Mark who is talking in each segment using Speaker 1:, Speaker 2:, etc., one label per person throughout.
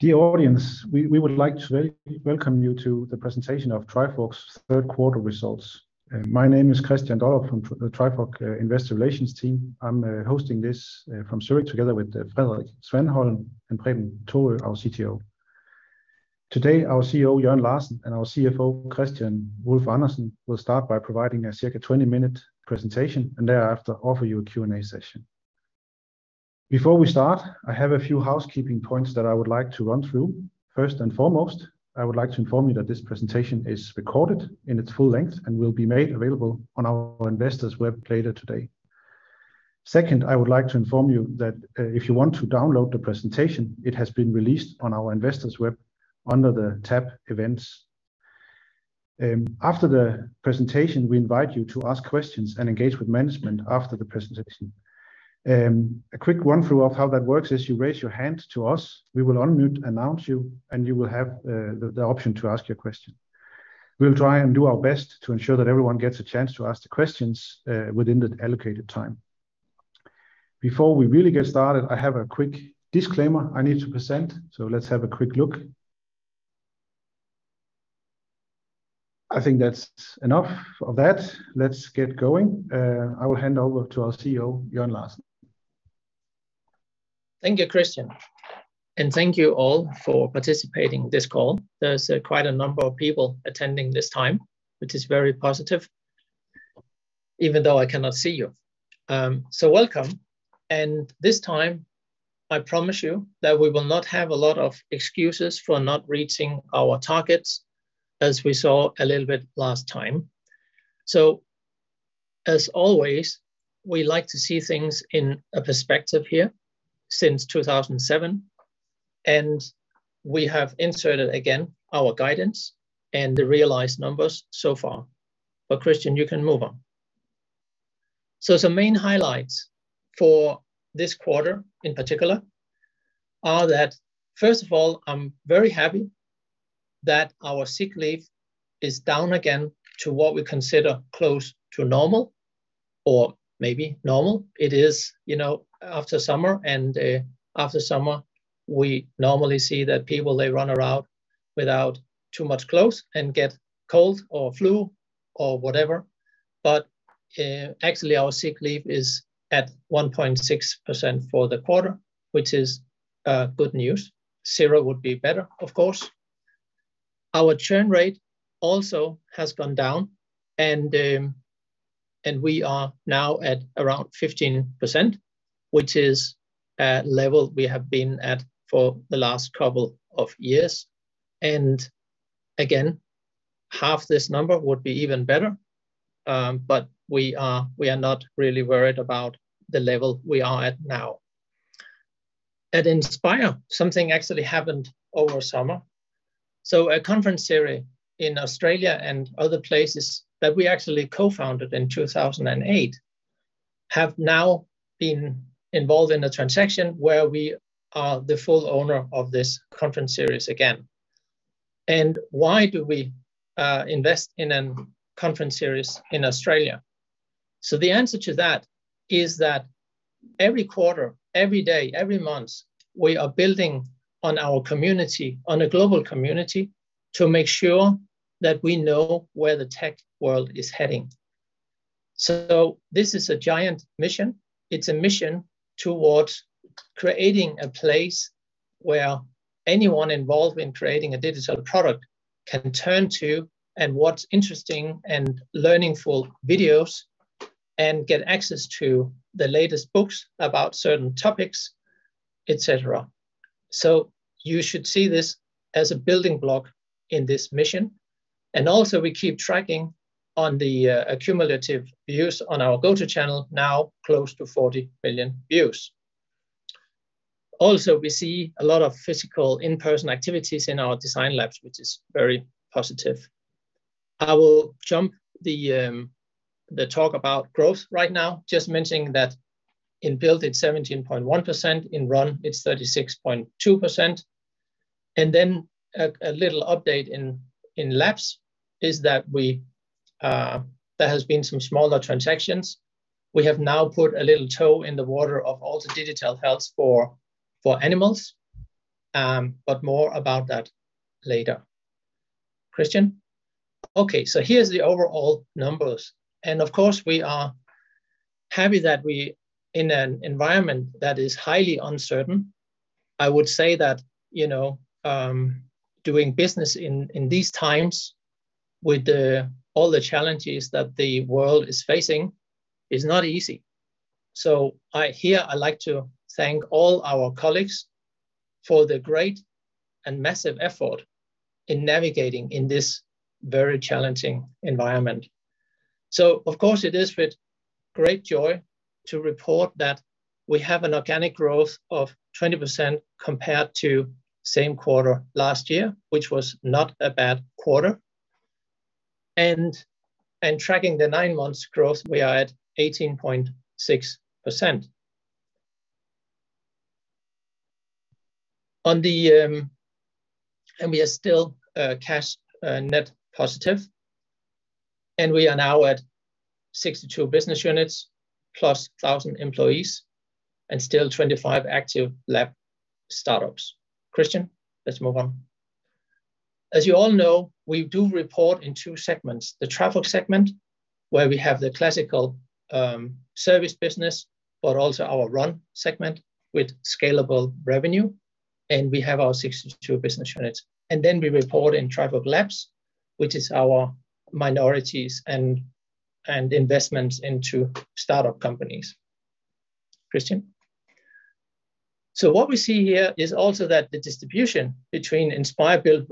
Speaker 1: Dear audience, we would like to Welcome you to The Presentation of Trifork's Third Quarter Results. My name is Kristian Dollerup from Trifork, investor relations team. I'm hosting this from Zürich together with Frederik Svanholm and Preben Thorø, our CTO. Today, our CEO, Jørn Larsen, and our CFO, Kristian Wulf-Andersen, will start by providing a circa 20-minute presentation and thereafter offer you a Q&A session. Before we start, I have a few housekeeping points that I would like to run through. First and foremost, I would like to inform you that this presentation is recorded in its full length and will be made available on our investor website later today. Second, I would like to inform you that if you want to download the presentation, it has been released on our investor website under the tab Events. After the presentation, we invite you to ask questions and engage with management after the presentation. A quick run through of how that works is you raise your hand to us, we will unmute, announce you, and you will have the option to ask your question. We will try and do our best to ensure that everyone gets a chance to ask the questions within the allocated time. Before we really get started, I have a quick disclaimer I need to present, so let's have a quick look. I think that's enough of that. Let's get going. I will hand over to our CEO, Jørn Larsen.
Speaker 2: Thank you, Kristian, and thank you all for participating this call. There's quite a number of people attending this time, which is very positive, even though I cannot see you. Welcome. This time, I promise you that we will not have a lot of excuses for not reaching our targets as we saw a little bit last time. As always, we like to see things in a perspective here since 2007, and we have inserted again our guidance and the realized numbers so far. Kristian, you can move on. Some main highlights for this quarter in particular are that, first of all, I'm very happy that our sick leave is down again to what we consider close to normal or maybe normal. It is after summer, we normally see that people they run around without too much clothes and get cold or flu or whatever. Actually our sick leave is at 1.6% for the quarter, which is good news. Zero would be better, of course. Our churn rate also has gone down and we are now at around 15%, which is a level we have been at for the last couple of years. Again, half this number would be even better, but we are not really worried about the level we are at now. At Inspire, something actually happened over summer. A conference series in Australia and other places that we actually co-founded in 2008 have now been involved in a transaction where we are the full owner of this conference series again. Why do we invest in a conference series in Australia? The answer to that is that every quarter, every day, every month, we are building on our community, on a global community, to make sure that we know where the tech world is heading. This is a giant mission. It's a mission towards creating a place where anyone involved in creating a digital product can turn to and watch interesting and learning-full videos and get access to the latest books about certain topics, et cetera. You should see this as a building block in this mission. We also keep tracking on the accumulative views on our GOTO channel, now close to 40 billion views. Also, we see a lot of physical in-person activities in our design Labs, which is very positive. I will jump the talk about growth right now. Just mentioning that in Build it's 17.1%, in Run it's 36.2%. A little update in Labs is that there has been some smaller transactions. We have now put a little toe in the water of all the Digital Health for animals. More about that later. Kristian? Okay, here's the overall numbers. Of course we are happy that we, in an environment that is highly uncertain, I would say that, you know, doing business in these times with all the challenges that the world is facing is not easy. I like to thank all our colleagues for the great and massive effort in navigating this very challenging environment. Of course it is with great joy to report that we have an organic growth of 20% compared to same quarter last year, which was not a bad quarter. Tracking the nine months growth, we are at 18.6%. We are still cash net positive, and we are now at 62 business units, +1,000 employees, and still 25 active lab startups. Kristian, let's move on. As you all know, we do report in two segments, the Trifork Segment, where we have the classical, service business, but also our Run segment with scalable revenue, and we have our 62 business units. Then we report in Trifork Labs, which is our minorities and investments into startup companies. Kristian? What we see here is also that the distribution between Inspire, Build,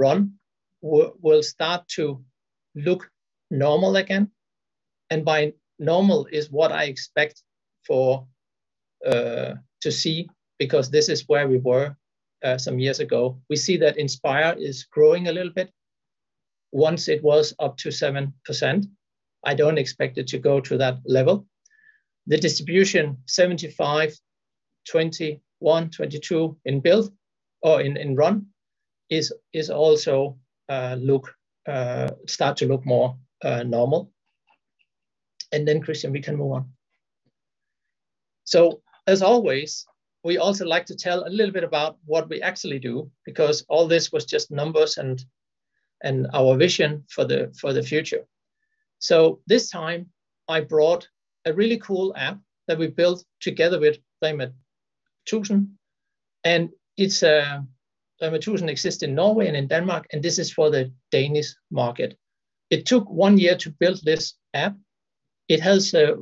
Speaker 2: Run will start to look normal again, and by normal is what I expect to see, because this is where we were some years ago. We see that Inspire is growing a little bit. Once it was up to 7%. I don't expect it to go to that level. The distribution 75, 21, 22 in Build or in Run is also start to look more normal. Then Kristian, we can move on. As always, we also like to tell a little bit about what we actually do, because all this was just numbers and our vision for the future. This time I brought a really cool app that we built together with Dagli'Brugsen, and it's Dagli'Brugsen exists in Norway and in Denmark, and this is for the Danish market. It took one year to build this app. It has a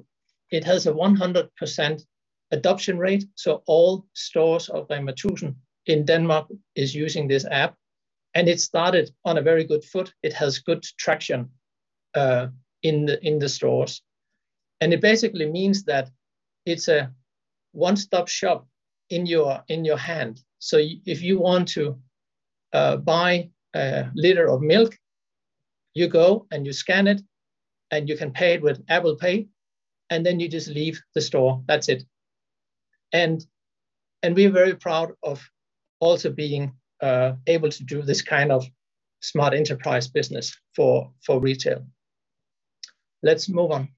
Speaker 2: 100% adoption rate, so all stores of Dagli'Brugsen in Denmark is using this app, and it started on a very good foot. It has good traction in the stores. It basically means that it's a one-stop shop in your hand. If you want to buy a liter of milk, you go and you scan it, and you can pay it with Apple Pay, and then you just leave the store. That's it. We're very proud of also being able to do this kind of Smart Enterprise business for retail. Let's move on.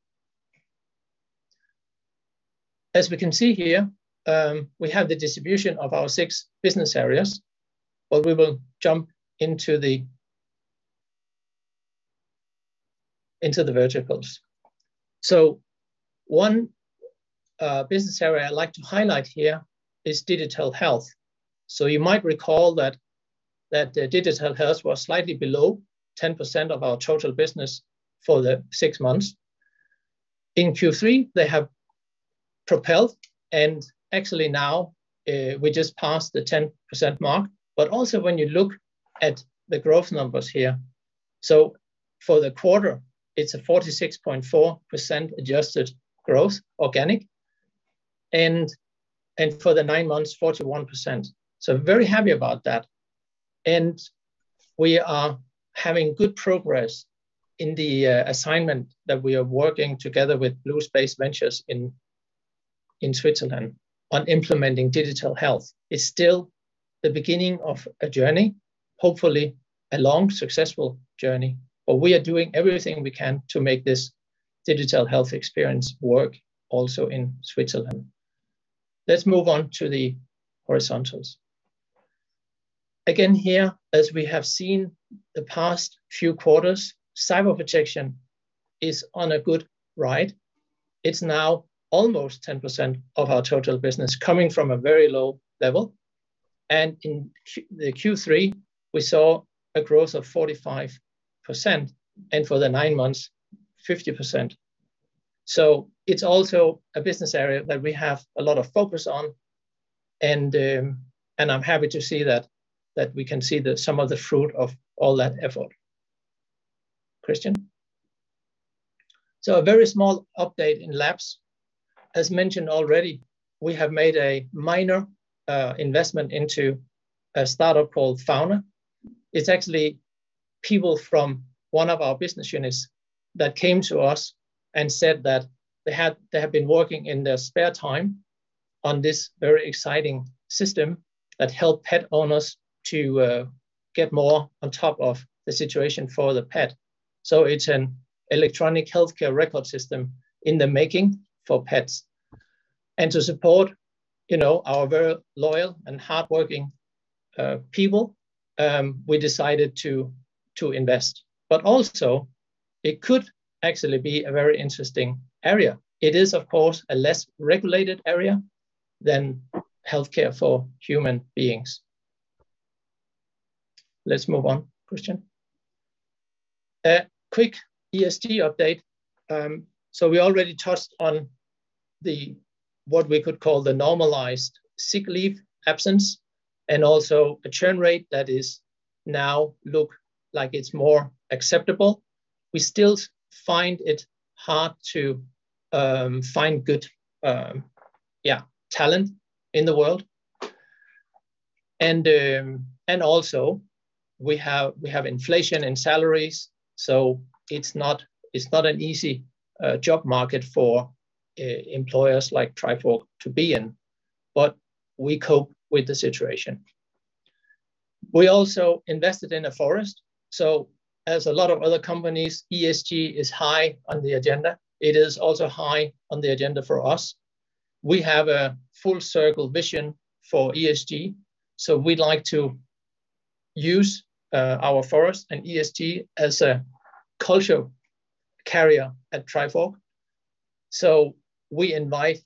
Speaker 2: As we can see here, we have the distribution of our six business areas, but we will jump into the verticals. One business area I'd like to highlight here is Digital Health. You might recall that Digital Health was slightly below 10% of our total business for the six months. In Q3, they have propelled, and actually now, we just passed the 10% mark. Also when you look at the growth numbers here, so for the quarter, it's a 46.4% adjusted growth, organic, and for the nine months, 41%. Very happy about that. We are having good progress in the assignment that we are working together with BlueSpace Health in Switzerland on implementing Digital Health. It's still the beginning of a journey, hopefully a long, successful journey, but we are doing everything we can to make this Digital Health experience work also in Switzerland. Let's move on to the horizontals. Again here, as we have seen the past few quarters, Cyber Protection is on a good ride. It's now almost 10% of our total business coming from a very low level. In Q3, we saw a growth of 45%, and for the nine months, 50%. It's also a business area that we have a lot of focus on, and I'm happy to see that we can see some of the fruit of all that effort. Kristian? A very small update in Labs. As mentioned already, we have made a minor investment into a startup called Fauna. It's actually people from one of our business units that came to us and said that they have been working in their spare time on this very exciting system that help pet owners to get more on top of the situation for the pet. It's an electronic healthcare record system in the making for pets. And to support, you know, our very loyal and hardworking people, we decided to invest. But also it could actually be a very interesting area. It is, of course, a less regulated area than healthcare for human beings. Let's move on, Kristian. A quick ESG update. We already touched on the, what we could call the normalized sick leave absence, and also a churn rate that is now look like it's more acceptable. We still find it hard to find good talent in the world. We have inflation in salaries, so it's not an easy job market for employers like Trifork to be in, but we cope with the situation. We also invested in a forest. As a lot of other companies, ESG is high on the agenda. It is also high on the agenda for us. We have a full circle vision for ESG, so we'd like to use our forest and ESG as a culture carrier at Trifork. We invite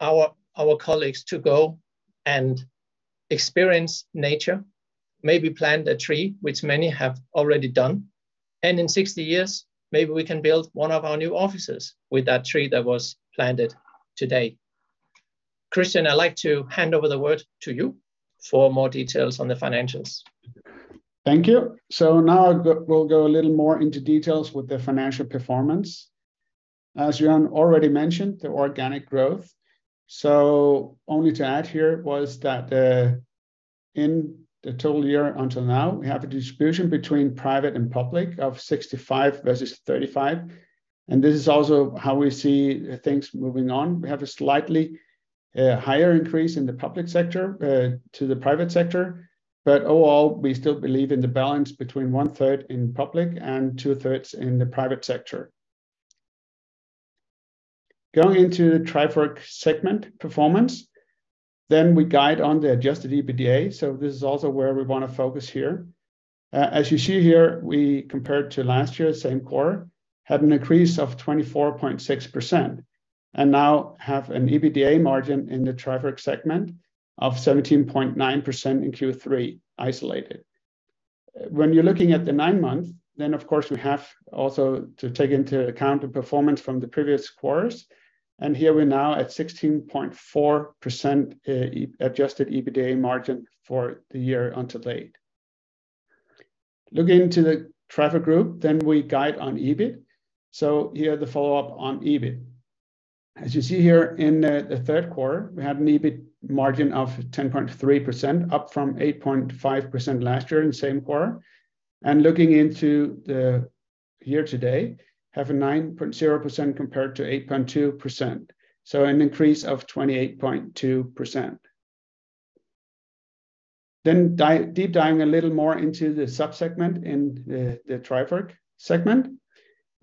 Speaker 2: our colleagues to go and experience nature, maybe plant a tree, which many have already done. In 60 years, maybe we can build one of our new offices with that tree that was planted today. Kristian Wulf-Andersen, I'd like to hand over the word to you for more details on the financials.
Speaker 3: Thank you. Now we'll go a little more into details with the financial performance. As Jørn already mentioned, the organic growth. Only to add here was that, in the total year until now, we have a distribution between private and public of 65 vs 35, and this is also how we see things moving on. We have a slightly higher increase in the public sector to the private sector. Overall, we still believe in the balance between 1/3 in public and 2/3 in the private sector. Going into Trifork Segment performance, we guide on the adjusted EBITDA. This is also where we want to focus here. As you see here, we compared to last year, same quarter, had an increase of 24.6% and now have an EBITDA margin in the Trifork Segment of 17.9% in Q3 isolated. When you're looking at the nine-month, then of course we have also to take into account the performance from the previous quarters. Here we're now at 16.4%, adjusted EBITDA margin for the year to date. Looking to the Trifork Group, then we guide on EBIT. Here the follow-up on EBIT. As you see here in the third quarter, we had an EBIT margin of 10.3%, up from 8.5% last year in the same quarter. Looking into the year to date, have a 9.0% compared to 8.2%, so an increase of 28.2%. Deep diving a little more into the sub-segment in the Trifork Segment,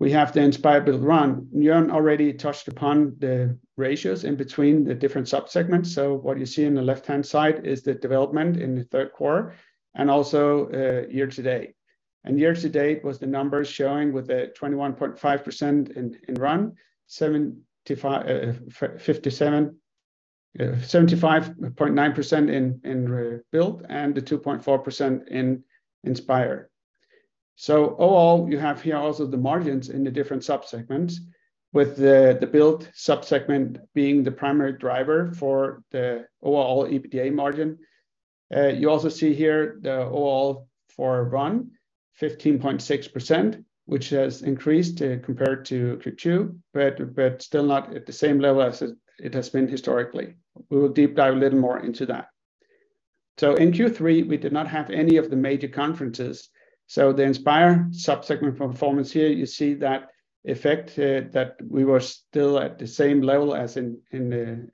Speaker 3: we have the Inspire, Build, Run. Jørn already touched upon the ratios in between the different sub-segments. What you see on the left-hand side is the development in the third quarter and also year to date. Year to date was the numbers showing with the 21.5% in Run, 75.9% in Build, and the 2.4% in Inspire. All you have here also the margins in the different sub-segments with the Build sub-segment being the primary driver for the overall EBITDA margin. You also see here the overall for Run, 15.6%, which has increased compared to Q2, but still not at the same level as it has been historically. We will deep dive a little more into that. In Q3, we did not have any of the major conferences. The Inspire sub-segment performance here, you see that effect, that we were still at the same level as in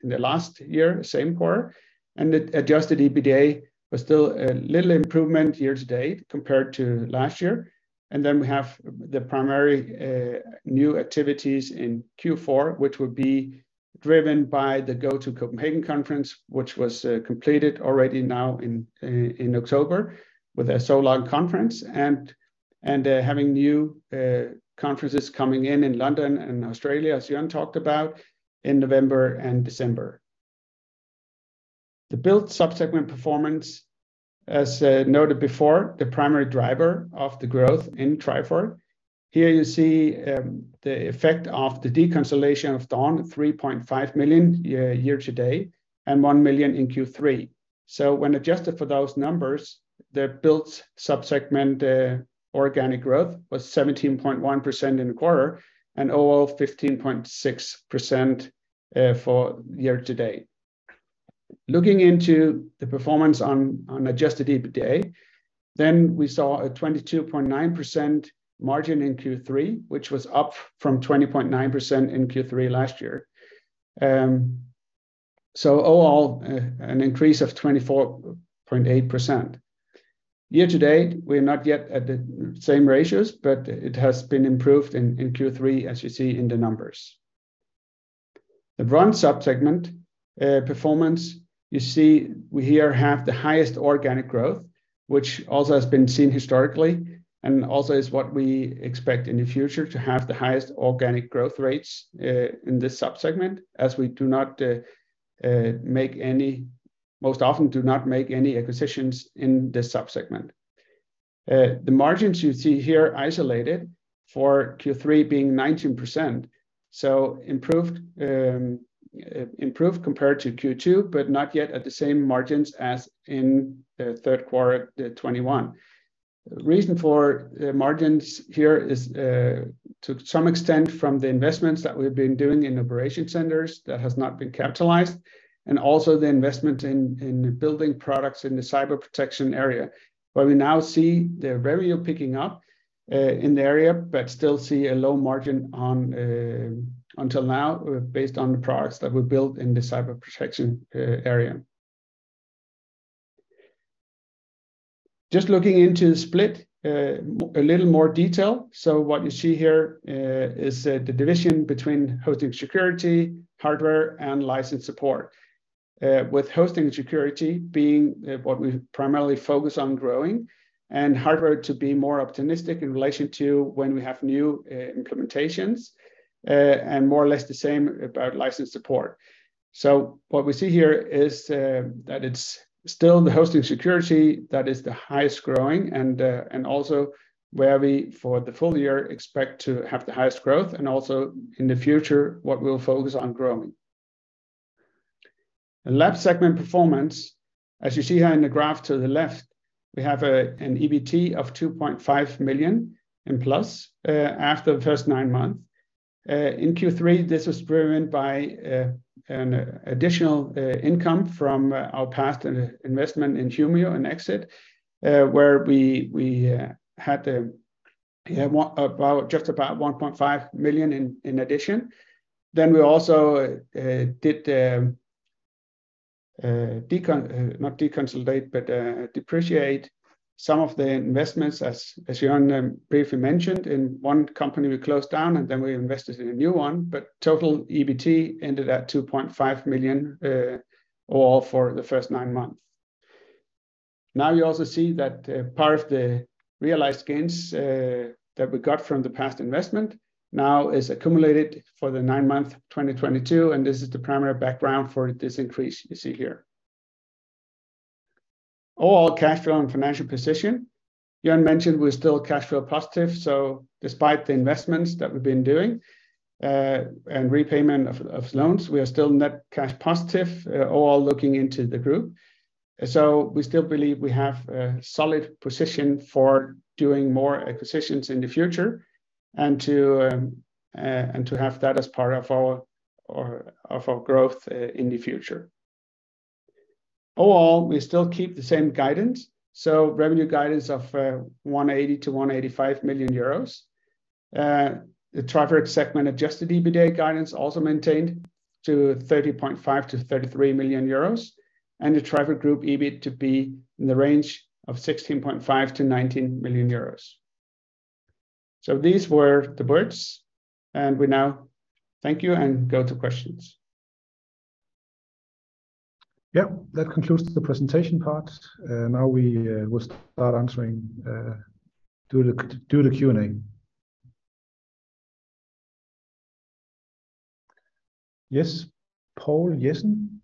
Speaker 3: the last year, same quarter. The adjusted EBITDA was still a little improvement year to date compared to last year. We have the primary new activities in Q4, which would be driven by the GOTO Copenhagen Conference, which was completed already now in October with a sold-out conference and having new conferences coming in in London and Australia, as Jørn talked about in November and December. The Build sub-segment performance, as noted before, the primary driver of the growth in Trifork. Here you see the effect of the deconsolidation of Dawn, 3.5 million year to date, and 1 million in Q3. When adjusted for those numbers, the Build sub-segment organic growth was 17.1% in the quarter and overall 15.6% for year to date. Looking into the performance on adjusted EBITDA, we saw a 22.9% margin in Q3, which was up from 20.9% in Q3 last year. Overall, an increase of 24.8%. Year to date, we're not yet at the same ratios, but it has been improved in Q3, as you see in the numbers. The Run sub-segment performance, we here have the highest organic growth, which also has been seen historically and also is what we expect in the future to have the highest organic growth rates in this sub-segment as we most often do not make any acquisitions in this sub-segment. The margins you see here isolated for Q3 being 19%, so improved compared to Q2, but not yet at the same margins as in the third quarter 2021. The reason for the margins here is to some extent from the investments that we've been doing in operation centers that has not been capitalized, and also the investment in building products in the Cyber Protection area. We now see the revenue picking up in the area, but still see a low margin on until now based on the products that we built in the Cyber Protection area. Just looking into the split a little more detail. What you see here is the division between hosting security, hardware, and license support. With hosting security being what we primarily focus on growing, and hardware to be more optimistic in relation to when we have new implementations. More or less the same about license support. What we see here is that it's still the hosting security that is the highest growing and also where we, for the full year, expect to have the highest growth and also in the future what we'll focus on growing. The Labs segment performance, as you see here in the graph to the left, we have an EBIT of 2.5 million + after the first nine months. In Q3, this was driven by an additional income from our past investment in Humio and exit, where we had just about 1.5 million in addition. Then we also did not deconsolidate, but depreciate some of the investments as Jørn briefly mentioned. In one company we closed down, and then we invested in a new one. But total EBIT ended at 2.5 million all for the first nine months. Now you also see that part of the realized gains that we got from the past investment now is accumulated for the nine-month 2022, and this is the primary background for this increase you see here. Overall cash flow and financial position. Jørn mentioned we're still cash flow positive, so despite the investments that we've been doing, and repayment of loans, we are still net cash positive, overall looking into the group. We still believe we have a solid position for doing more acquisitions in the future and to have that as part of our growth in the future. All in all, we still keep the same guidance, so revenue guidance of 180 million-185 million euros. The Trifork Segment adjusted EBITDA guidance also maintained to 30.5 million-33 million euros, and the Trifork Group EBIT to be in the range of 16.5 million-19 million euros. These were the words, and we now thank you and go to questions.
Speaker 1: Yeah. That concludes the presentation part. Now we will start answering do the Q&A. Yes. Poul Jessen.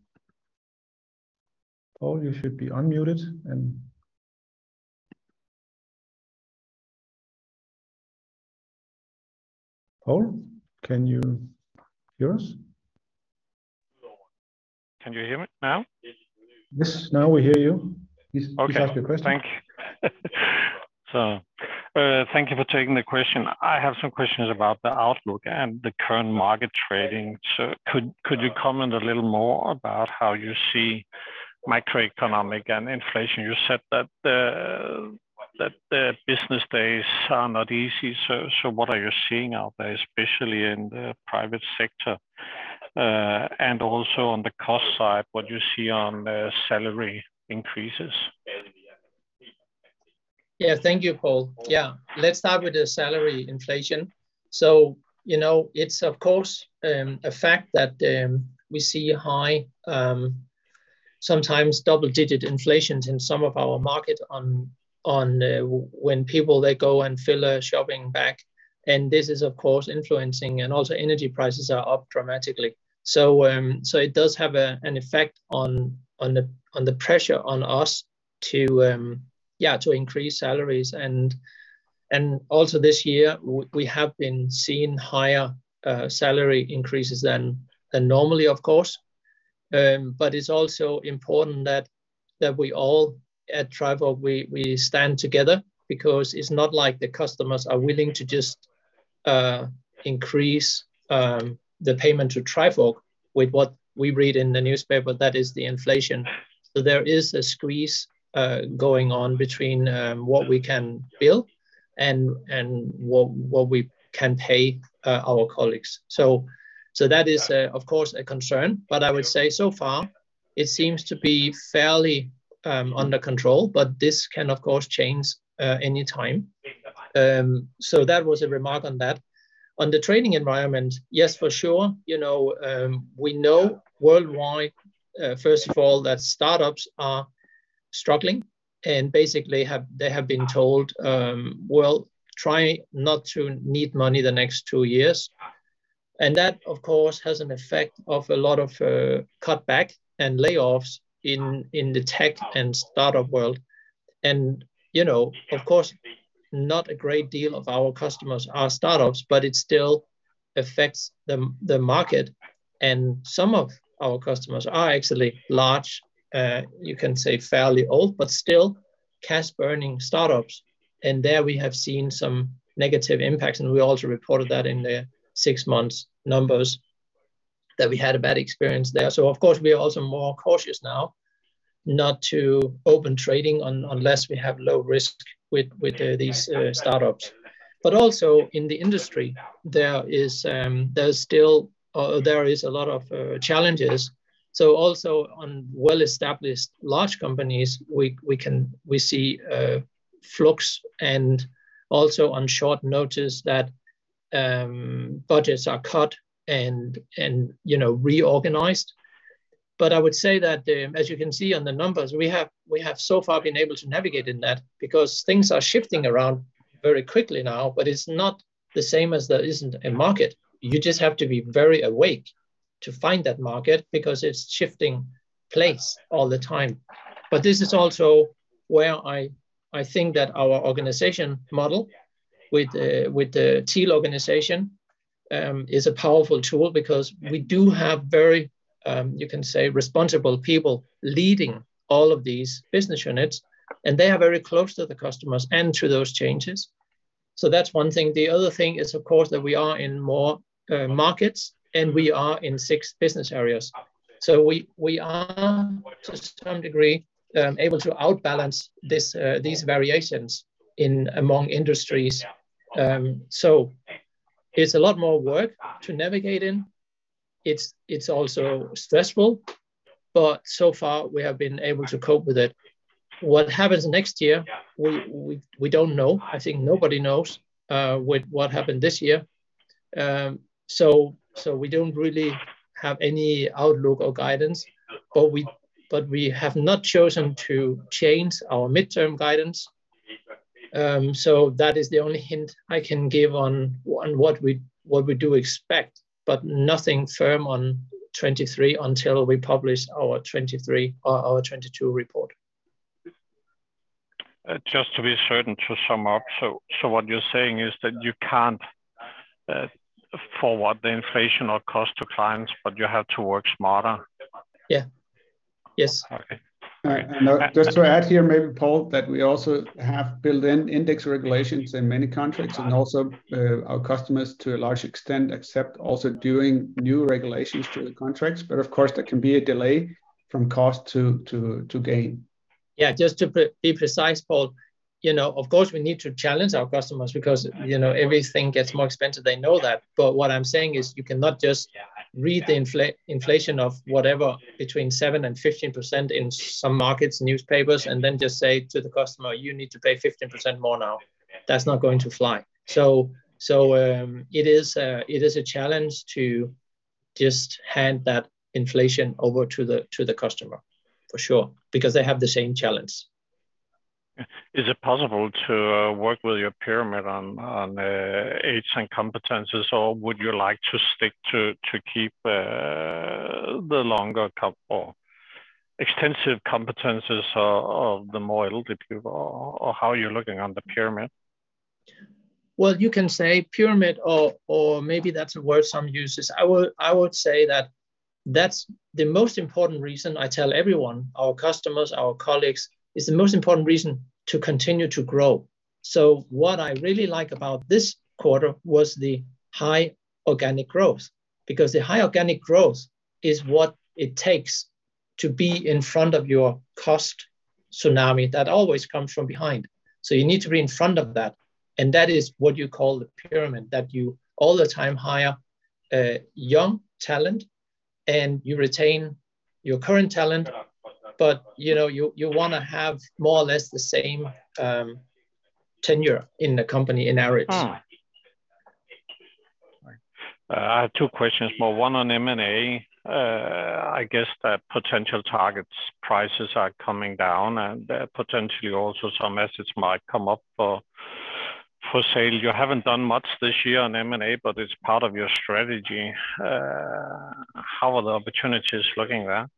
Speaker 1: Poul, you should be unmuted and Poul, can you hear us?
Speaker 4: Can you hear me now?
Speaker 1: Yes. Now we hear you.
Speaker 4: Okay
Speaker 1: Please ask your question.
Speaker 4: Thank you. Thank you for taking the question. I have some questions about the outlook and the current market trading. Could you comment a little more about how you see macroeconomic and inflation? You said that the business days are not easy, so what are you seeing out there, especially in the private sector? And also on the cost side, what do you see on the salary increases?
Speaker 2: Yeah. Thank you, Poul. Yeah. Let's start with the salary inflation. You know, it's of course a fact that we see high sometimes double-digit inflations in some of our market when people they go and fill a shopping bag. This is of course influencing. Also energy prices are up dramatically. It does have an effect on the pressure on us to increase salaries. Also this year we have been seeing higher salary increases than normally, of course. But it's also important that we all at Trifork stand together because it's not like the customers are willing to just increase the payment to Trifork with what we read in the newspaper, that is the inflation. There is a squeeze going on between what we can bill and what we can pay our colleagues. That is of course a concern. I would say so far it seems to be fairly under control. This can of course change any time. That was a remark on that. On the trading environment, yes, for sure. You know, we know worldwide first of all that startups are struggling and basically they have been told, "Well, try not to need money the next two years." That of course has an effect of a lot of cutback and layoffs in the tech and startup world. You know, of course not a great deal of our customers are startups, but it's still affects the market and some of our customers are actually large. You can say fairly old, but still cash burning startups, and there we have seen some negative impacts, and we also reported that in the six months numbers that we had a bad experience there. Of course, we are also more cautious now not to open trading unless we have low risk with these startups. Also in the industry there is a lot of challenges. Also on well-established large companies, we can see flux and also on short notice that budgets are cut and you know, reorganized. I would say that, as you can see on the numbers, we have so far been able to navigate in that because things are shifting around very quickly now, but it's not the same as there isn't a market. You just have to be very awake to find that market because it's shifting place all the time. This is also where I think that our organization model with the Teal organization is a powerful tool because we do have very, you can say, responsible people leading all of these business units, and they are very close to the customers and to those changes. That's one thing. The other thing is, of course, that we are in more markets, and we are in six business areas. We are to some degree able to outbalance these variations in and among industries. It's a lot more work to navigate in. It's also stressful, but so far we have been able to cope with it. What happens next year, we don't know. I think nobody knows with what happened this year. We don't really have any outlook or guidance, but we have not chosen to change our midterm guidance. That is the only hint I can give on what we do expect, but nothing firm on 2023 until we publish our 2023 or our 2022 report.
Speaker 4: Just to be certain, to sum up, so what you're saying is that you can't forward the inflation or cost to clients, but you have to work smarter?
Speaker 2: Yeah. Yes.
Speaker 4: Okay.
Speaker 2: All right.
Speaker 3: Just to add here maybe, Poul, that we also have built-in indexation regulations in many countries, and also, our customers to a large extent accept also doing new regulations to the contracts. Of course, there can be a delay from cost to gain.
Speaker 2: Yeah, just to be precise, Poul, you know, of course, we need to challenge our customers because, you know, everything gets more expensive. They know that. What I'm saying is you cannot just read the inflation of whatever between 7% and 15% in some markets, newspapers, and then just say to the customer, "You need to pay 15% more now." That's not going to fly. It is a challenge to just hand that inflation over to the customer, for sure, because they have the same challenge.
Speaker 4: Is it possible to work with your pyramid on age and competencies, or would you like to stick to keep the longer or extensive competencies of the more little people, or how you're looking on the pyramid?
Speaker 2: Well, you can say pyramid or maybe that's a word some uses. I would say that that's the most important reason I tell everyone, our customers, our colleagues. It's the most important reason to continue to grow. What I really like about this quarter was the high organic growth because the high organic growth is what it takes to be in front of your cost tsunami that always comes from behind. You need to be in front of that, and that is what you call the pyramid, that you all the time hire young talent and you retain your current talent. You know, you wanna have more or less the same tenure in the company in average.
Speaker 4: I have two questions more. One on M&A. I guess that potential targets' prices are coming down and potentially also some assets might come up for sale. You haven't done much this year on M&A, but it's part of your strategy. How are the opportunities looking there?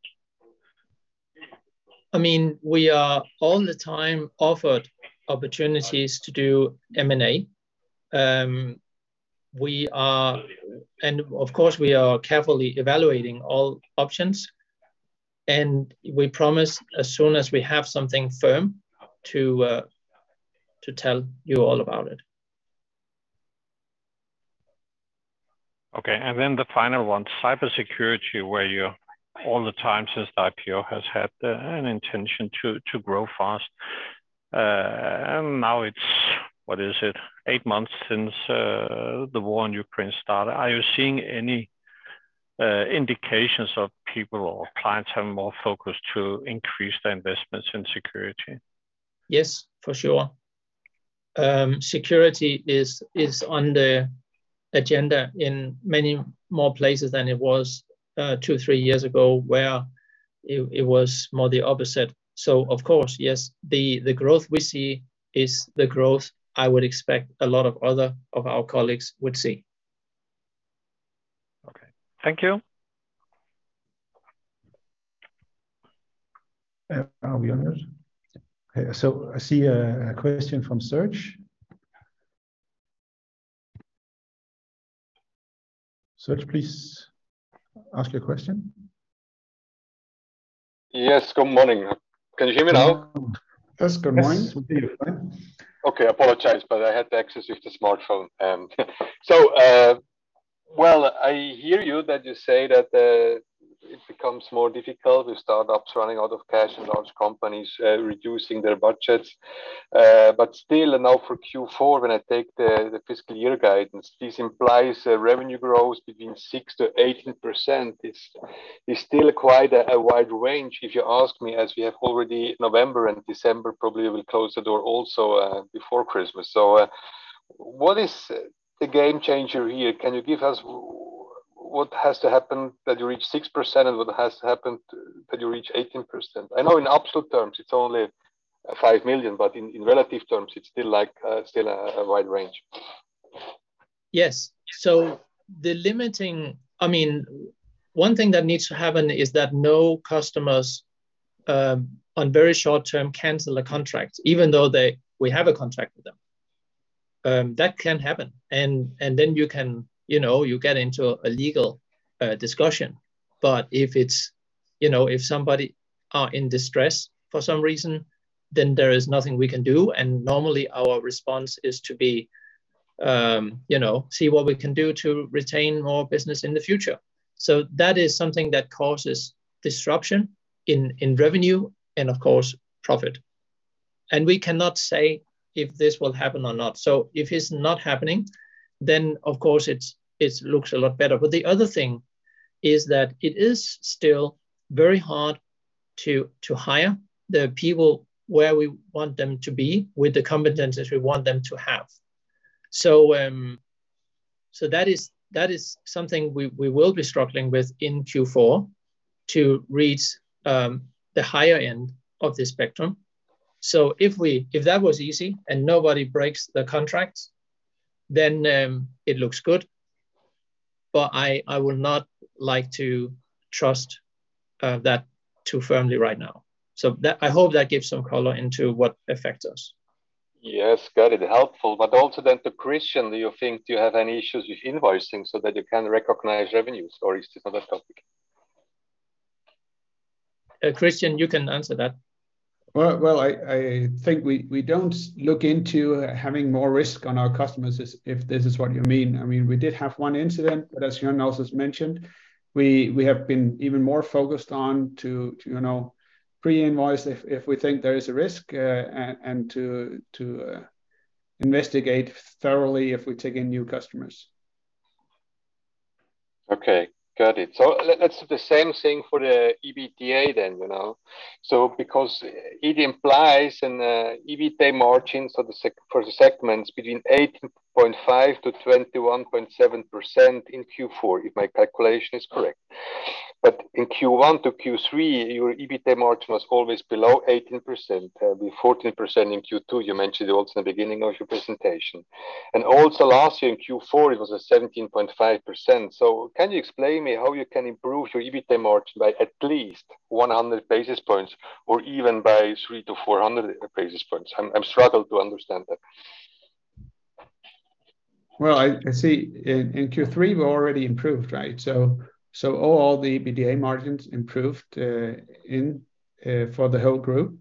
Speaker 2: I mean, we are all the time offered opportunities to do M&A. Of course, we are carefully evaluating all options. We promise as soon as we have something firm to tell you all about it.
Speaker 4: The final one, cybersecurity, where you all the time since the IPO has had an intention to grow fast. Now it's, what is it? Eight months since the war in Ukraine started. Are you seeing any indications of people or clients having more focus to increase their investments in security?
Speaker 2: Yes, for sure. Security is on the agenda in many more places than it was two, three years ago, where it was more the opposite. Of course, yes, the growth we see is the growth I would expect a lot of other of our colleagues would see.
Speaker 4: Okay. Thank you.
Speaker 1: Are we on it? Okay, I see a question from Serge. Serge, please ask your question.
Speaker 5: Yes. Good morning. Can you hear me now?
Speaker 1: Yes. Good morning.
Speaker 2: Yes.
Speaker 5: Okay. I apologize, but I had to access with the smartphone. I hear you that you say that it becomes more difficult with startups running out of cash and large companies reducing their budgets. Still now for Q4, when I take the fiscal year guidance, this implies a revenue growth between 6%-18%. It's still quite a wide range if you ask me, as we have already November and December probably will close the door also before Christmas. What is the game changer here? Can you give us what has to happen that you reach 6% and what has to happen that you reach 18%? I know in absolute terms it's only 5 million, but in relative terms it's still like still a wide range.
Speaker 2: Yes. One thing that needs to happen is that no customers on very short term cancel a contract, even though we have a contract with them. That can happen and then you can, you know, you get into a legal discussion. If it's, you know, if somebody are in distress for some reason, then there is nothing we can do. Normally our response is to, you know, see what we can do to retain more business in the future. That is something that causes disruption in revenue and of course profit. We cannot say if this will happen or not. If it's not happening then of course it looks a lot better. The other thing is that it is still very hard to hire the people where we want them to be with the competencies we want them to have. That is something we will be struggling with in Q4 to reach the higher end of the spectrum. If that was easy and nobody breaks the contracts, then it looks good. I would not like to trust that too firmly right now. I hope that gives some color into what affects us.
Speaker 5: Yes. Got it. Helpful. to Kristian, do you think you have any issues with invoicing so that you can recognize revenues or is this another topic?
Speaker 2: Kristian, you can answer that.
Speaker 3: Well, I think we don't look into having more risk on our customers is, if this is what you mean. I mean, we did have one incident, but as Jørn also has mentioned, we have been even more focused on to, you know, pre-invoice if we think there is a risk, and to investigate thoroughly if we take in new customers.
Speaker 5: Okay. Got it. That's the same thing for the EBITDA then, you know. Because it implies an EBITDA margins for the segments between 8.5%-21.7% in Q4, if my calculation is correct. In Q1 to Q3, your EBITDA margin was always below 18%, with 14% in Q2, you mentioned also in the beginning of your presentation. Also last year in Q4 it was 17.5%. Can you explain to me how you can improve your EBITDA margin by at least 100 basis points or even by 300-400 basis points? I'm struggling to understand that.
Speaker 3: Well, I see in Q3 we already improved, right? All the EBITDA margins improved for the whole group.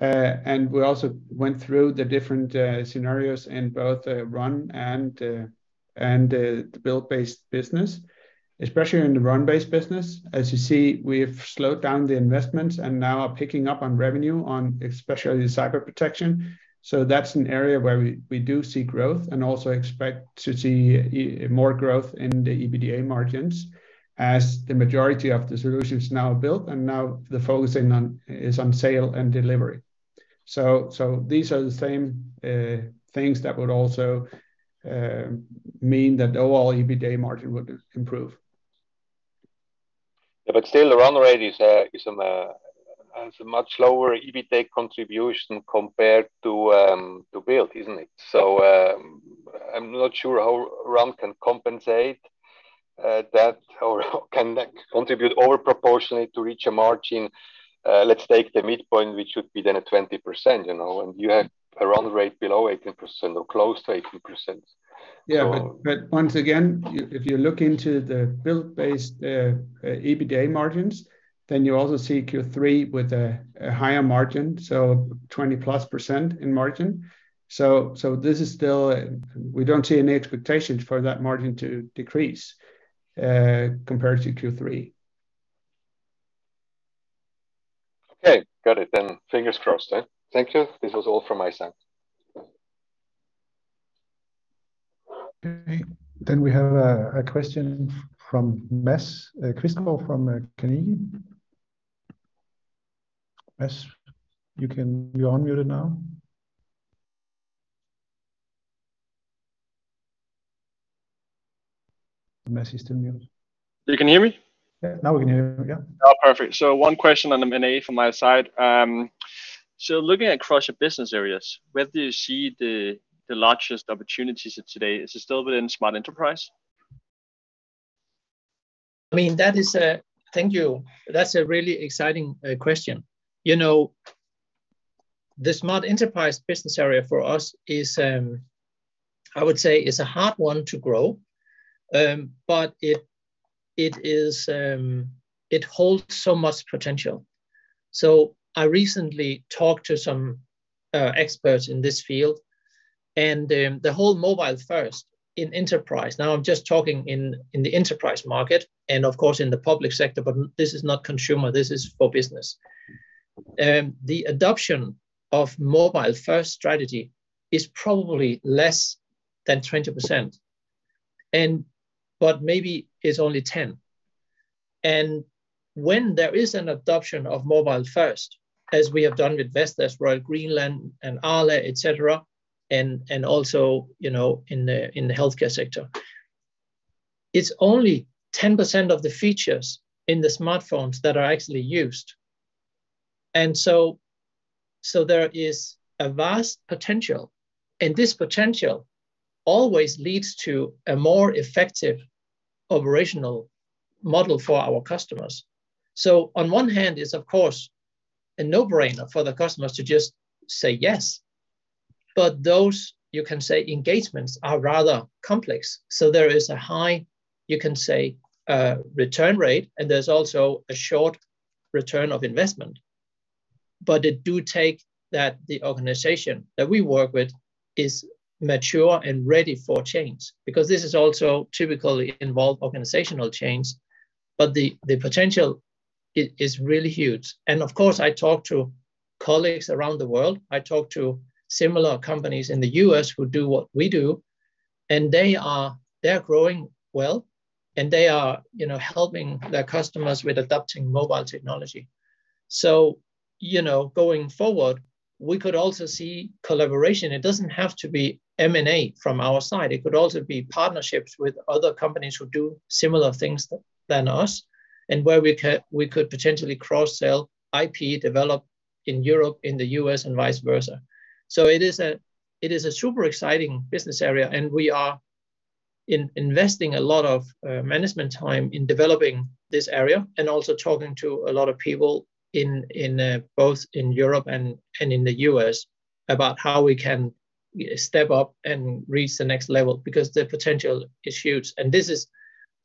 Speaker 3: We also went through the different scenarios in both the Run and the Build-based business. Especially in the Run-based business, as you see, we have slowed down the investments and now are picking up revenue, especially on Cyber Protection. That's an area where we do see growth and also expect to see even more growth in the EBITDA margins as the majority of the solutions now are built and now the focus is on sale and delivery. These are the same things that would also mean that overall EBITDA margin would improve.
Speaker 5: Yeah. Still the run rate has a much lower EBITDA contribution compared to build, isn't it? I'm not sure how run can compensate that or can contribute over proportionally to reach a margin. Let's take the midpoint, which would be then at 20%, you know, and you have a run rate below 18% or close to 18%.
Speaker 3: Once again, if you look into the Build-based EBITDA margins, then you also see Q3 with a higher margin, so 20%+ in margin. This is still. We don't see any expectations for that margin to decrease compared to Q3.
Speaker 5: Okay. Got it then. Fingers crossed, yeah. Thank you. This was all from my side.
Speaker 1: Okay. We have a question from Mads Quistgaard from Carnegie. Mads, you're unmuted now. Mads is still mute.
Speaker 6: You can hear me?
Speaker 1: Yeah. Now we can hear you. Yeah.
Speaker 6: Oh, perfect. One question on the M&A from my side. Looking across your business areas, where do you see the largest opportunities of today? Is it still within Smart Enterprise?
Speaker 2: I mean, thank you. That's a really exciting question. You know, the Smart Enterprise business area for us is, I would say, a hard one to grow. But it is, it holds so much potential. I recently talked to some experts in this field, and the whole mobile first in enterprise. Now, I'm just talking in the enterprise market and of course in the public sector, but this is not consumer, this is for business. The adoption of mobile first strategy is probably less than 20%, but maybe it's only 10%. When there is an adoption of mobile first, as we have done with Vestas, Royal Greenland, and Arla, et cetera, and also, you know, in the healthcare sector, it's only 10% of the features in the smartphones that are actually used. There is a vast potential, and this potential always leads to a more effective operational model for our customers. On one hand, it's of course a no-brainer for the customers to just say yes, but those, you can say, engagements are rather complex. There is a high, you can say, return rate, and there's also a short return on investment. It do take that the organization that we work with is mature and ready for change, because this is also typically involved organizational change. The potential is really huge. Of course, I talk to colleagues around the world, I talk to similar companies in the U.S. who do what we do, and they're growing well, and they are, you know, helping their customers with adopting mobile technology. you know, going forward, we could also see collaboration. It doesn't have to be M&A from our side. It could also be partnerships with other companies who do similar things than us, and where we could potentially cross-sell IP developed in Europe, in the U.S., and vice versa. It is a super exciting business area, and we are investing a lot of management time in developing this area, and also talking to a lot of people in both Europe and the U.S. about how we can step up and reach the next level, because the potential is huge. This is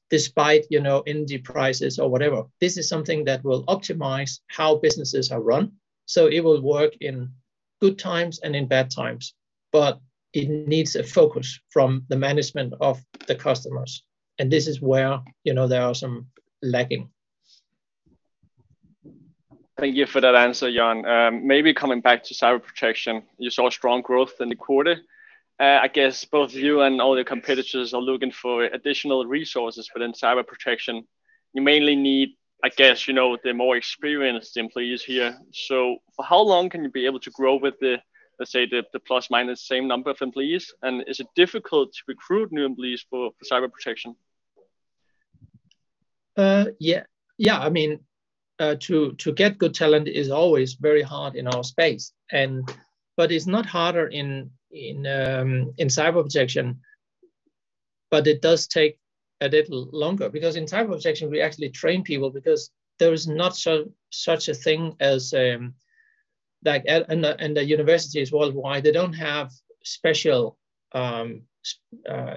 Speaker 2: despite, you know, energy prices or whatever. This is something that will optimize how businesses are run. It will work in good times and in bad times. It needs a focus from the management of the customers, and this is where, you know, there are some lagging.
Speaker 6: Thank you for that answer, Jørn. Maybe coming back to Cyber Protection. You saw strong growth in the quarter. I guess both you and all your competitors are looking for additional resources, but in Cyber Protection, you mainly need, I guess, you know, the more experienced employees here. For how long can you be able to grow with the, let's say, the plus or minus same number of employees? And is it difficult to recruit new employees for Cyber Protection?
Speaker 2: Yeah. Yeah. I mean, to get good talent is always very hard in our space. But it's not harder in Cyber Protection, but it does take a little longer, because in Cyber Protection, we actually train people because there is not such a thing as the universities worldwide. They don't have special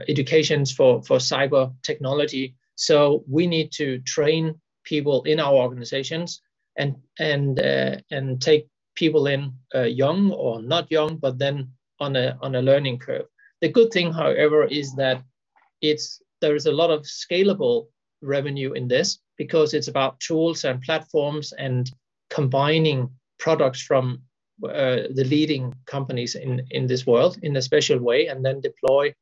Speaker 2: educations for cyber technology. So we need to train people in our organizations and take people in young or not young, but then on a learning curve. The good thing, however, is that there is a lot of scalable revenue in this because it's about tools and platforms and combining products from the leading companies in this world in a special way, and then deploy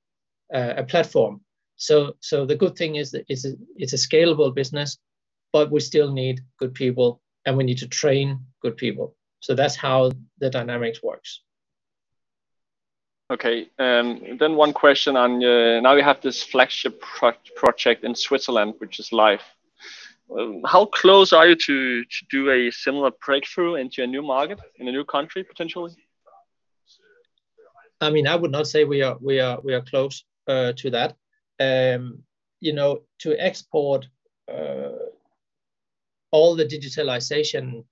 Speaker 2: a platform. The good thing is it's a scalable business, but we still need good people, and we need to train good people. That's how the dynamics works.
Speaker 6: Okay. One question on now you have this flagship project in Switzerland, which is live. How close are you to do a similar breakthrough into a new market in a new country, potentially?
Speaker 2: I mean, I would not say we are close to that. You know, to export all the digitalization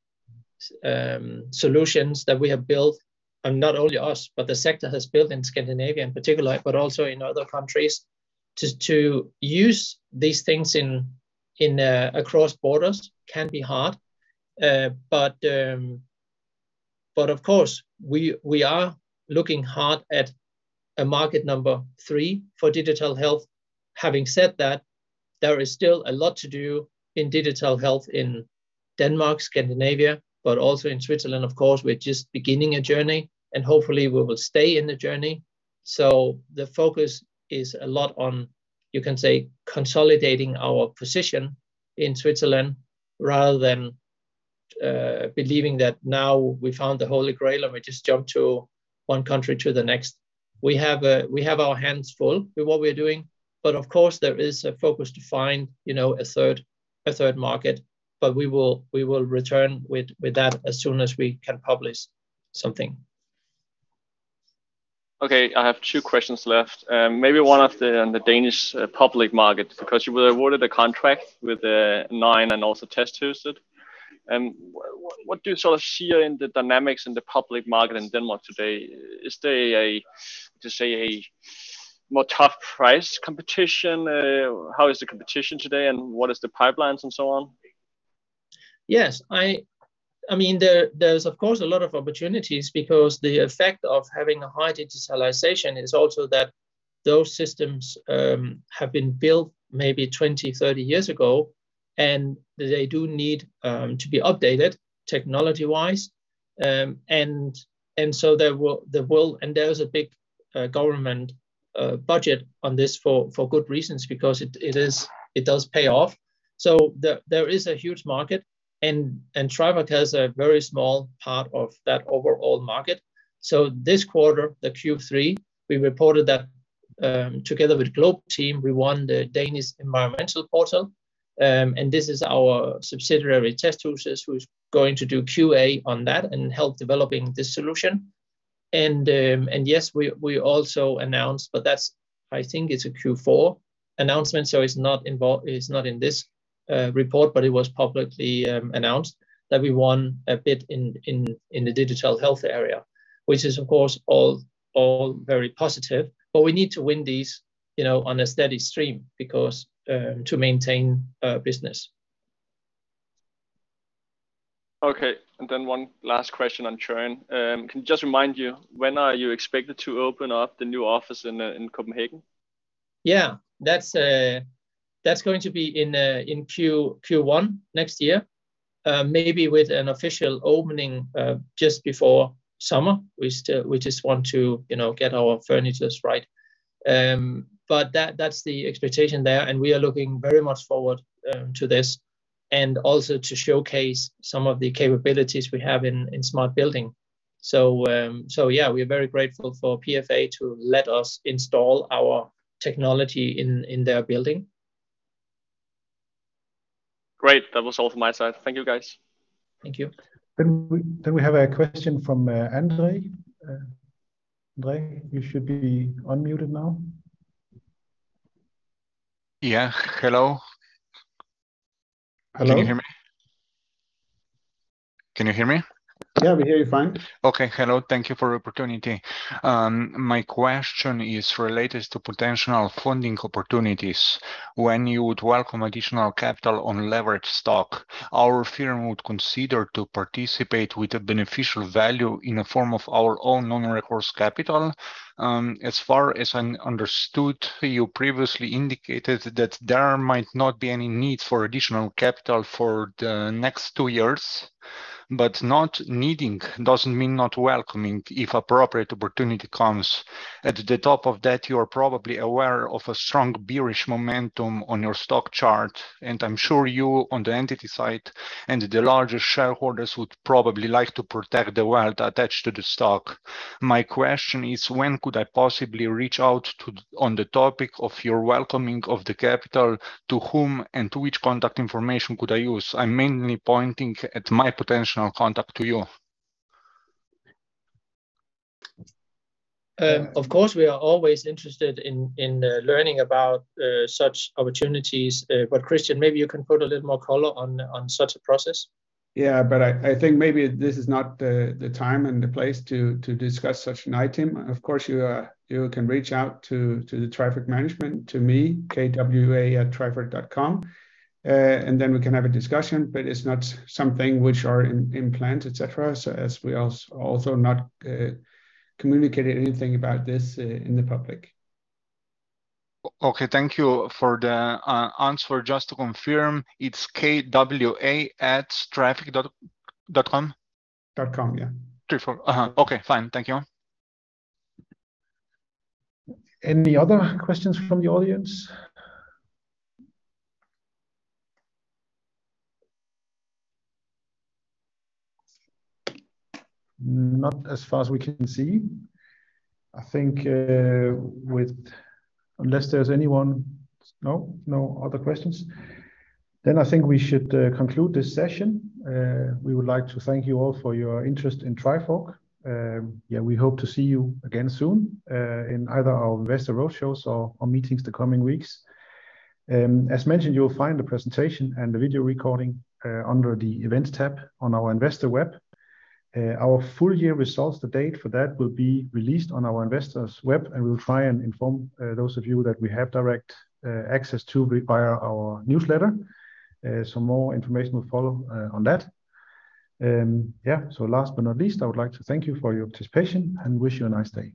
Speaker 2: solutions that we have built, and not only us, but the sector has built in Scandinavia in particular, but also in other countries, to use these things in across borders can be hard. Of course, we are looking hard at a market number three for digital health. Having said that, there is still a lot to do in digital health in Denmark, Scandinavia, but also in Switzerland, of course. We're just beginning a journey, and hopefully we will stay in the journey. The focus is a lot on, you can say, consolidating our position in Switzerland rather than believing that now we found the Holy Grail, and we just jump to one country to the next. We have our hands full with what we are doing, but of course, there is a focus to find, you know, a third market. We will return with that as soon as we can publish something.
Speaker 6: Okay, I have two questions left. Maybe one of the on the Danish public market, because you were awarded a contract with Nine and also Testhuset. What do you sort of see in the dynamics in the public market in Denmark today? Is there a to say a more tough price competition? How is the competition today and what is the pipelines and so on?
Speaker 2: Yes. I mean, there's of course a lot of opportunities because the effect of having a high digitalization is also that those systems have been built maybe 20, 30 years ago and they do need to be updated technology-wise. There is a big government budget on this for good reasons because it is, it does pay off. There is a huge market and Trifork has a very small part of that overall market. This quarter, the Q3, we reported that together with Globeteam, we won the Danmarks Miljøportal. This is our subsidiary Testhuset who's going to do QA on that and help developing this solution. Yes, we also announced, but that's. I think it's a Q4 announcement, so it's not in this report, but it was publicly announced that we won a bid in the Digital Health area, which is of course all very positive. We need to win these, you know, on a steady stream because to maintain business.
Speaker 6: Okay. One last question on churn. Can you just remind me, when are you expected to open up the new office in Copenhagen?
Speaker 2: Yeah. That's going to be in Q1 next year. Maybe with an official opening just before summer. We just want to, you know, get our furniture right. But that's the expectation there, and we are looking very much forward to this and also to showcase some of the capabilities we have in Smart Building. Yeah, we're very grateful for PFA to let us install our technology in their building.
Speaker 6: Great. That was all from my side. Thank you, guys.
Speaker 2: Thank you.
Speaker 1: We have a question from André. André, you should be unmuted now.
Speaker 7: Yeah. Hello?
Speaker 1: Hello.
Speaker 7: Can you hear me? Can you hear me?
Speaker 1: Yeah, we hear you fine.
Speaker 7: Hello. Thank you for the opportunity. My question is related to potential funding opportunities. When you would welcome additional capital on leverage stock, our firm would consider to participate with a beneficial value in the form of our own non-recourse capital. As far as I understood, you previously indicated that there might not be any need for additional capital for the next two years. Not needing doesn't mean not welcoming if appropriate opportunity comes. On top of that, you are probably aware of a strong bearish momentum on your stock chart, and I'm sure you on the entity side and the larger shareholders would probably like to protect the wealth attached to the stock. My question is, when could I possibly reach out on the topic of your welcoming of the capital, to whom and to which contact information could I use? I'm mainly pointing at my potential contact to you.
Speaker 2: Of course, we are always interested in learning about such opportunities. Kristian, maybe you can put a little more color on such a process.
Speaker 3: Yeah. I think maybe this is not the time and the place to discuss such an item. Of course, you can reach out to the Trifork management, to me, kwa@trifork.com, and then we can have a discussion. It's not something which are in plans, et cetera. As we also not communicated anything about this in the public.
Speaker 7: Okay. Thank you for the answer. Just to confirm, it's kwa@trifork.com?
Speaker 3: Dot com, yeah.
Speaker 7: Trifork. Okay, fine. Thank you.
Speaker 1: Any other questions from the audience? Not as far as we can see. I think unless there's anyone. No? No other questions. I think we should conclude this session. We would like to thank you all for your interest in Trifork. We hope to see you again soon in either our investor roadshows or meetings the coming weeks. As mentioned, you'll find the presentation and the video recording under the Events tab on our investor web. Our full year results, the date for that will be released on our investors web, and we'll try and inform those of you that we have direct access to via our newsletter. Some more information will follow on that. Last but not least, I would like to thank you for your participation and wish you a nice day.